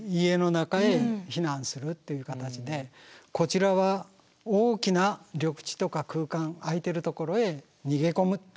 こちらは大きな緑地とか空間空いてる所へ逃げ込む。